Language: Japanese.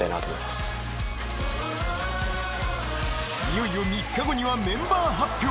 ［いよいよ３日後にはメンバー発表］